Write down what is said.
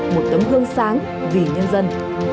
một tấm gương sáng vì nhân dân